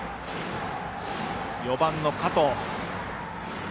４番の加藤。